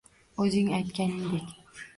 O’zing aytganingdek